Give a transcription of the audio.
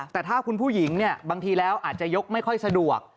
แต่ถ้าคุณผู้หญิงเนี่ยบางทีแล้วอาจจะยกไม่ค่อยสะดวก